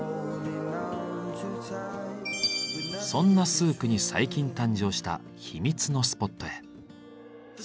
そんなスークに最近誕生した秘密のスポットへ。